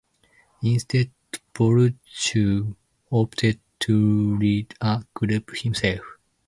Instead, Brochu opted to lead a group himself.